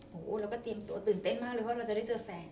โอ้โหเราก็เตรียมตัวตื่นเต้นมากเลยเพราะเราจะได้เจอแฟน